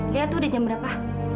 lihat tuh udah jam berapa